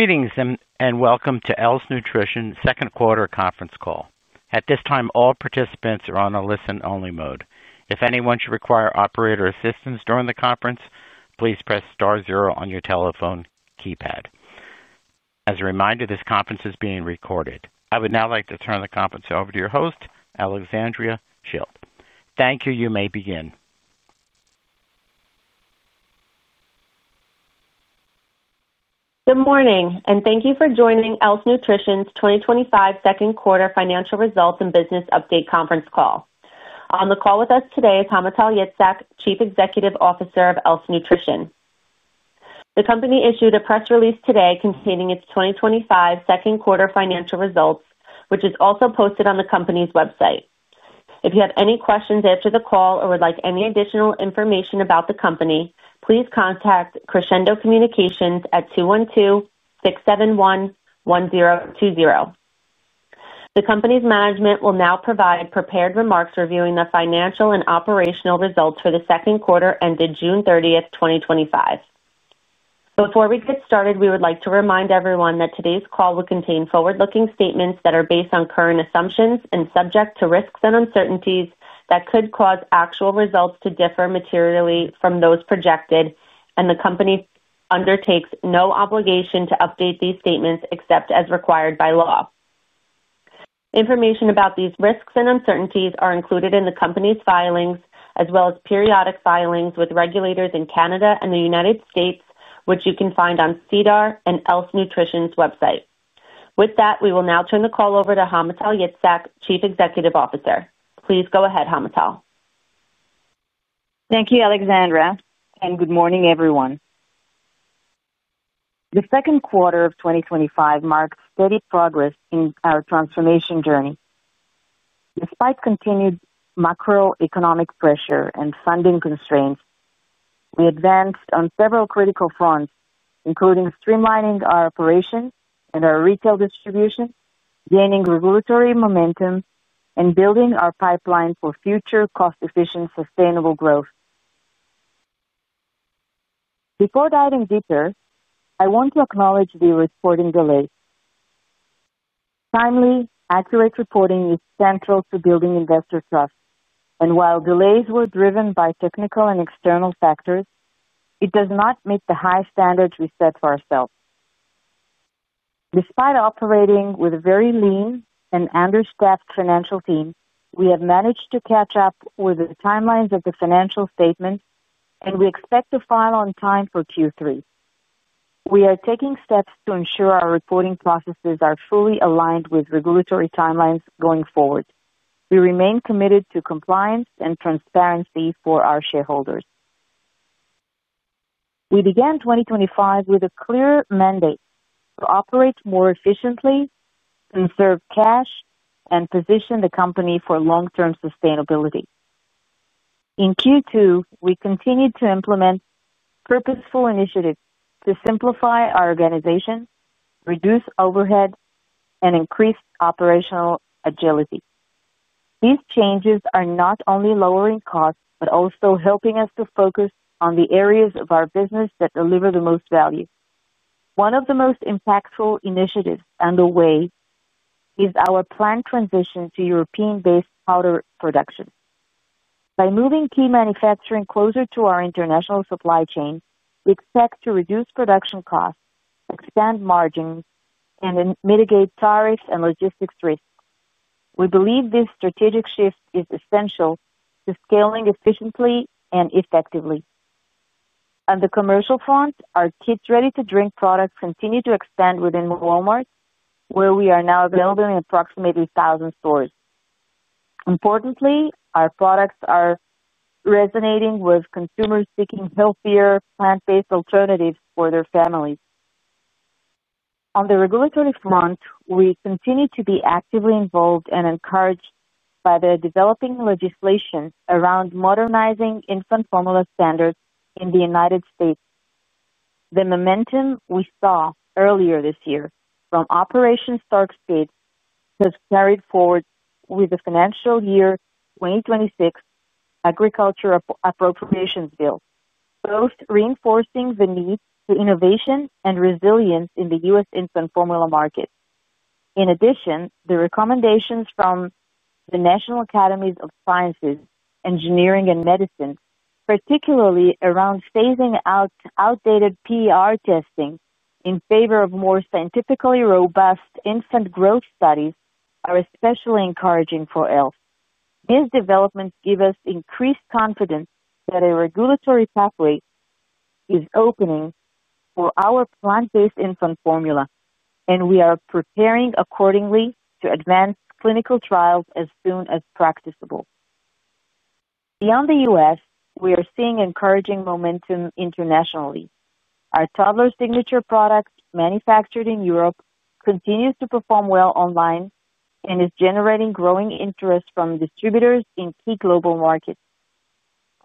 Greetings and welcome to Else Nutrition's second quarter conference call. At this time, all participants are on a listen-only mode. If anyone should require operator assistance during the conference, please press star zero on your telephone keypad. As a reminder, this conference is being recorded. I would now like to turn the conference over to your host, Alexandra Schilt. Thank you. You may begin. Good morning, and thank you for joining Else Nutrition's 2025 second quarter financial results and business update conference call. On the call with us today is Hamutal Yitzhak, Chief Executive Officer of Else Nutrition. The company issued a press release today containing its 2025 second quarter financial results, which is also posted on the company's website. If you have any questions after the call or would like any additional information about the company, please contact Crescendo Communications at 212-671-1020. The company's management will now provide prepared remarks reviewing the financial and operational results for the second quarter ended June 30, 2025. Before we get started, we would like to remind everyone that today's call will contain forward-looking statements that are based on current assumptions and subject to risks and uncertainties that could cause actual results to differ materially from those projected, and the company undertakes no obligation to update these statements except as required by law. Information about these risks and uncertainties are included in the company's filings, as well as periodic filings with regulators in Canada and the United States, which you can find on CDAR and Else Nutrition's website. With that, we will now turn the call over to Hamutal Yitzhak, Chief Executive Officer. Please go ahead, Hamutal. Thank you, Alexandra, and good morning, everyone. The second quarter of 2025 marked steady progress in our transformation journey. Despite continued macroeconomic pressure and funding constraints, we advanced on several critical fronts, including streamlining our operations and our retail distribution, gaining regulatory momentum, and building our pipeline for future cost-efficient, sustainable growth. Before diving deeper, I want to acknowledge the reporting delay. Timely, accurate reporting is central to building investor trust, and while delays were driven by technical and external factors, it does not meet the high standards we set for ourselves. Despite operating with a very lean and understaffed financial team, we have managed to catch up with the timelines of the financial statements, and we expect to file on time for Q3. We are taking steps to ensure our reporting processes are truly aligned with regulatory timelines going forward. We remain committed to compliance and transparency for our shareholders. We began 2025 with a clear mandate to operate more efficiently, conserve cash, and position the company for long-term sustainability. In Q2, we continued to implement purposeful initiatives to simplify our organization, reduce overhead, and increase operational agility. These changes are not only lowering costs but also helping us to focus on the areas of our business that deliver the most value. One of the most impactful initiatives underway is our planned transition to European-based powder production. By moving key manufacturing closer to our international supply chain, we expect to reduce production costs, expand margins, and mitigate tariffs and logistics risks. We believe this strategic shift is essential to scaling efficiently and effectively. On the commercial front, our Kids Ready-to-Drink Shakes continue to expand within Walmart, where we are now available in approximately 1,000 stores. Importantly, our products are resonating with consumers seeking healthier, plant-based alternatives for their families. On the regulatory front, we continue to be actively involved and encouraged by the developing legislation around modernizing infant formula standards in the U.S. The momentum we saw earlier this year from Operation Stark Speed has carried forward with the FY2026 Agriculture Appropriations Bill, both reinforcing the need for innovation and resilience in the U.S. infant formula market. In addition, the recommendations from the National Academies of Sciences, Engineering, and Medicine, particularly around phasing out outdated PER testing in favor of more scientifically robust infant growth studies, are especially encouraging for Else. These developments give us increased confidence that a regulatory pathway is opening for our Plant-Based Infant Formula, and we are preparing accordingly to advance clinical trials as soon as practicable. Beyond the U.S., we are seeing encouraging momentum internationally. Our toddler signature product manufactured in Europe continues to perform well online and is generating growing interest from distributors in key global markets.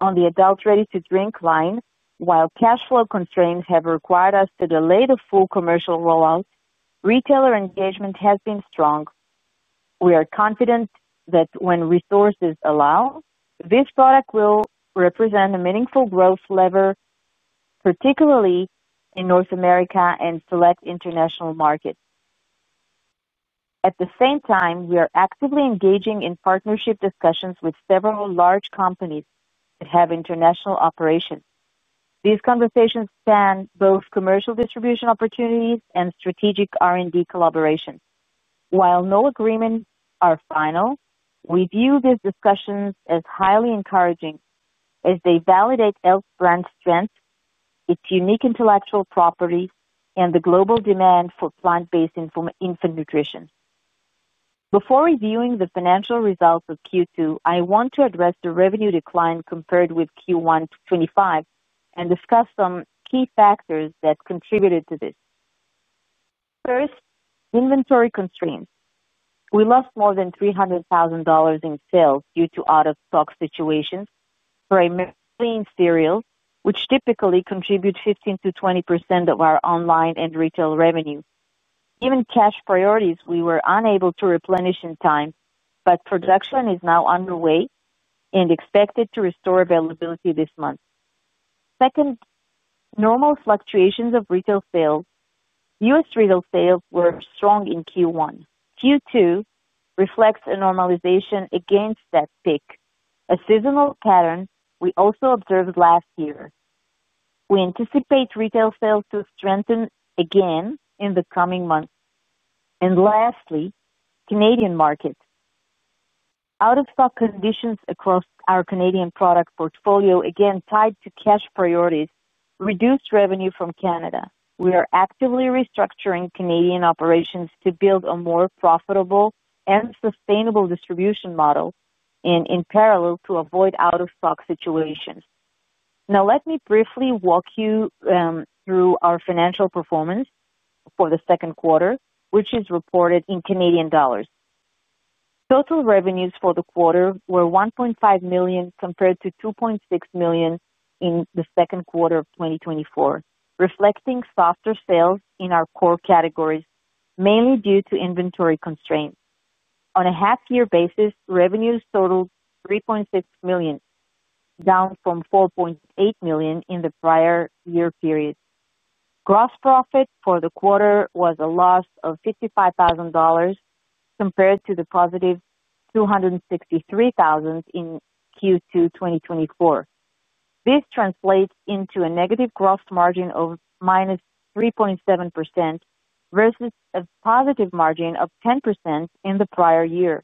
On the Adult Ready-to-Drink Product line, while cash flow constraints have required us to delay the full commercial rollout, retailer engagement has been strong. We are confident that when resources allow, this product will represent a meaningful growth lever, particularly in North America and select international markets. At the same time, we are actively engaging in partnership discussions with several large companies that have international operations. These conversations span both commercial distribution opportunities and strategic R&D collaborations. While no agreements are final, we view these discussions as highly encouraging as they validate Else's brand strength, its unique intellectual property, and the global demand for plant-based infant nutrition. Before reviewing the financial results of Q2, I want to address the revenue decline compared with Q1 2025 and discuss some key factors that contributed to this. First, inventory constraints. We lost more than $300,000 in sales due to out-of-stock situations for a clean cereal, which typically contributes 15% to 20% of our online and retail revenue. Given cash priorities, we were unable to replenish in time, but production is now underway and expected to restore availability this month. Second, normal fluctuations of retail sales. U.S. retail sales were strong in Q1. Q2 reflects a normalization against that peak, a seasonal pattern we also observed last year. We anticipate retail sales to strengthen again in the coming months. Lastly, Canadian market. Out-of-stock conditions across our Canadian product portfolio, again tied to cash priorities, reduced revenue from Canada. We are actively restructuring Canadian operations to build a more profitable and sustainable distribution model in parallel to avoid out-of-stock situations. Now, let me briefly walk you through our financial performance for the second quarter, which is reported in Canadian dollars. Total revenues for the quarter were $1.5 million compared to $2.6 million in the second quarter of 2024, reflecting softer sales in our core categories, mainly due to inventory constraints. On a half-year basis, revenues totaled $3.6 million, down from $4.8 million in the prior year period. Gross profit for the quarter was a loss of $55,000 compared to the positive $263,000 in Q2 2024. This translates into a negative gross margin of -3.7% versus a positive margin of 10% in the prior year.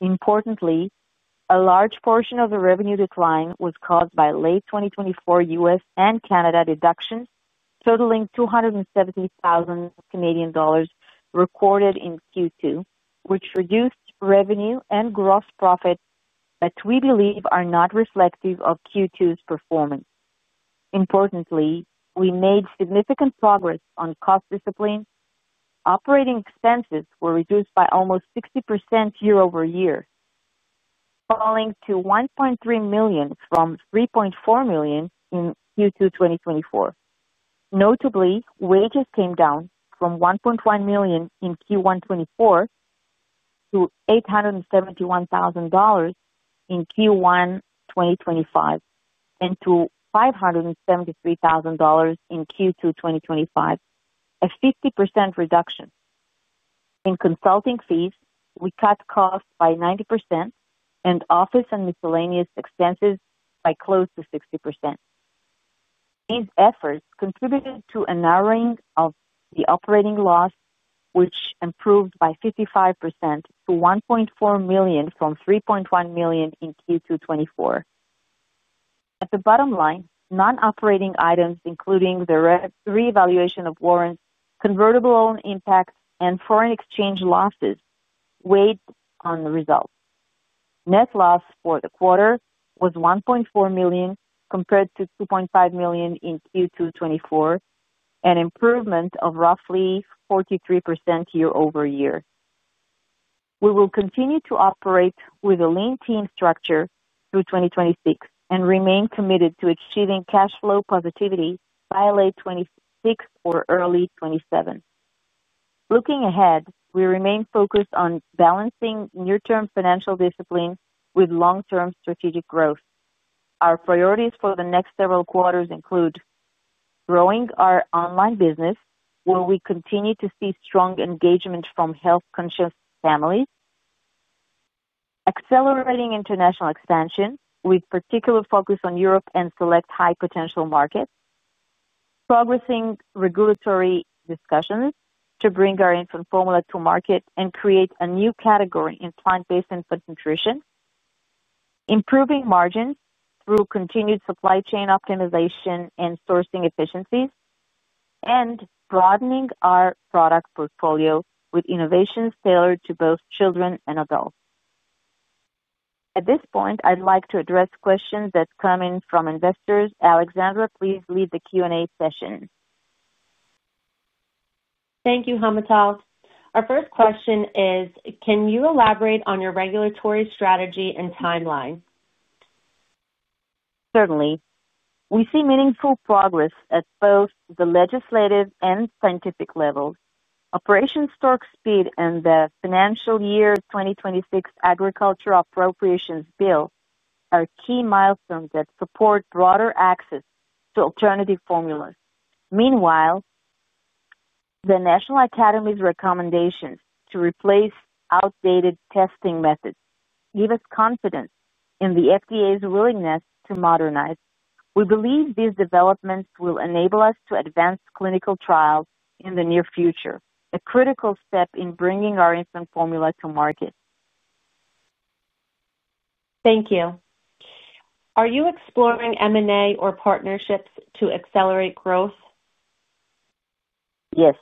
Importantly, a large portion of the revenue decline was caused by late 2024 U.S. and Canada deductions totaling $270,000 Canadian dollars recorded in Q2, which reduced revenue and gross profit that we believe are not reflective of Q2's performance. Importantly, we made significant progress on cost discipline. Operating expenses were reduced by almost 60% year over year, falling to $1.3 million from $3.4 million in Q2 2024. Notably, wages came down from $1.1 million in Q1 2024 to $871,000 in Q1 2025 and to $573,000 in Q2 2025, a 50% reduction. In consulting fees, we cut costs by 90% and office and miscellaneous expenses by close to 60%. These efforts contributed to a narrowing of the operating loss, which improved by 55% to $1.4 million from $3.1 million in Q2 2024. At the bottom line, non-operating items, including the reevaluation of warrants, convertible loan impacts, and foreign exchange losses, weighed on the results. Net loss for the quarter was $1.4 million compared to $2.5 million in Q2 2024, an improvement of roughly 43% year over year. We will continue to operate with a lean team structure through 2026 and remain committed to achieving cash flow positivity by late 2026 or early 2027. Looking ahead, we remain focused on balancing near-term financial discipline with long-term strategic growth. Our priorities for the next several quarters include growing our online business, where we continue to see strong engagement from health-conscious families, accelerating international expansion with particular focus on Europe and select high-potential markets, progressing regulatory discussions to bring our Plant-Based Infant Formula to market and create a new category in plant-based infant nutrition, improving margins through continued supply chain optimization and sourcing efficiencies, and broadening our product portfolio with innovations tailored to both children and adults. At this point, I'd like to address questions that come in from investors. Alexandra, please lead the Q&A session. Thank you, Hamutal. Our first question is, can you elaborate on your regulatory strategy and timeline? Certainly. We see meaningful progress at both the legislative and scientific levels. Operation Stark Speed and the FY2026 Agriculture Appropriations Bill are key milestones that support broader access to alternative formulas. Meanwhile, the National Academies of Sciences, Engineering, and Medicine's recommendation to replace outdated testing methods gives us confidence in the FDA's willingness to modernize. We believe these developments will enable us to advance clinical trials in the near future, a critical step in bringing our Plant-Based Infant Formula to market. Thank you. Are you exploring M&A or partnerships to accelerate growth? Yes.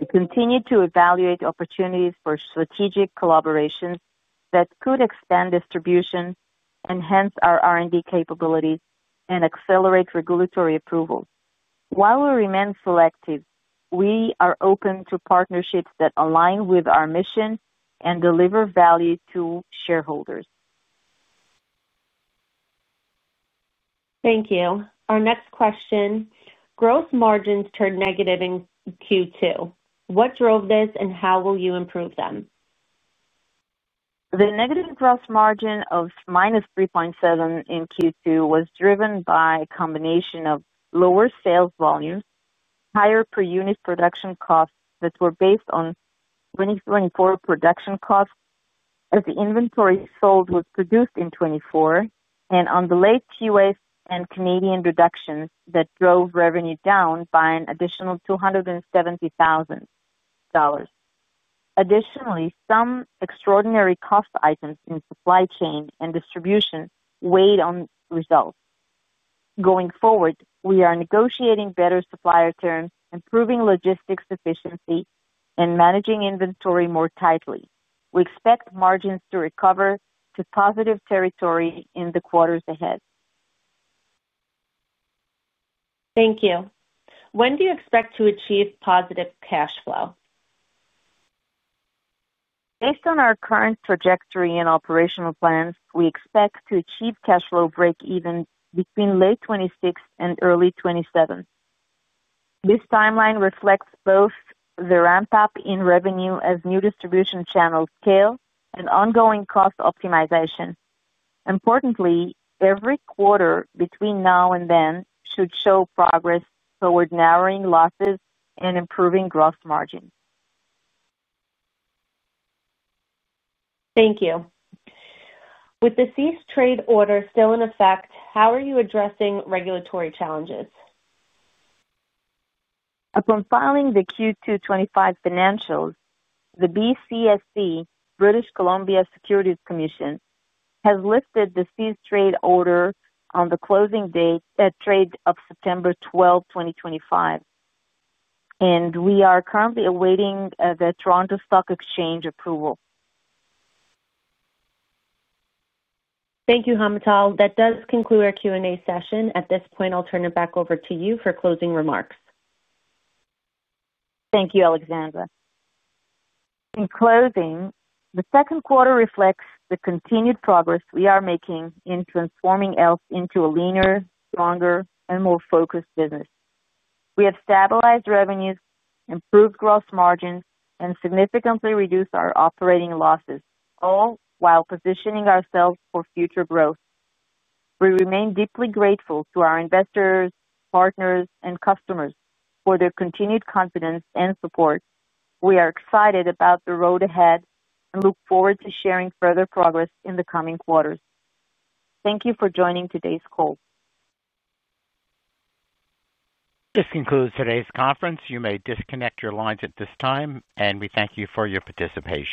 We continue to evaluate opportunities for strategic collaborations that could expand distribution, enhance our R&D capabilities, and accelerate regulatory approval. While we remain selective, we are open to partnerships that align with our mission and deliver value to shareholders. Thank you. Our next question, gross margins turned negative in Q2. What drove this, and how will you improve them? The negative gross margin of -3.7% in Q2 was driven by a combination of lower sales volumes, higher per unit production costs that were based on 2024 production costs as the inventory sold was produced in 2024, and on delayed QA and Canadian deductions that drove revenue down by an additional $270,000. Additionally, some extraordinary cost items in supply chain and distribution weighed on results. Going forward, we are negotiating better supplier terms, improving logistics efficiency, and managing inventory more tightly. We expect margins to recover to positive territory in the quarters ahead. Thank you. When do you expect to achieve positive cash flow? Based on our current trajectory and operational plans, we expect to achieve cash flow break even between late 2026 and early 2027. This timeline reflects both the ramp-up in revenue as new distribution channels scale and ongoing cost optimization. Importantly, every quarter between now and then should show progress toward narrowing losses and improving gross margins. Thank you. With the cease trade order still in effect, how are you addressing regulatory challenges? Upon filing the Q2 2025 financials, the British Columbia Securities Commission has lifted the cease trade order on the closing date of September 12, 2025, and we are currently awaiting the Toronto Stock Exchange approval. Thank you, Hamutal. That does conclude our Q&A session. At this point, I'll turn it back over to you for closing remarks. Thank you, Alexandra. In closing, the second quarter reflects the continued progress we are making in transforming Else Nutrition Holdings Inc. into a leaner, stronger, and more focused business. We have stabilized revenues, improved gross margins, and significantly reduced our operating losses, all while positioning ourselves for future growth. We remain deeply grateful to our investors, partners, and customers for their continued confidence and support. We are excited about the road ahead and look forward to sharing further progress in the coming quarters. Thank you for joining today's call. This concludes today's conference. You may disconnect your lines at this time, and we thank you for your participation.